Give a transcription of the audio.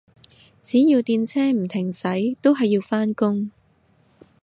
只要電車唔停駛，都係要返工